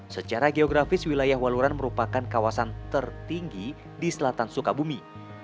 secara geografis wilayah waluran merupakan kawasan tertinggi di selatan sukabumi